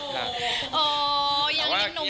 เกรงใจสันค้านิดนึง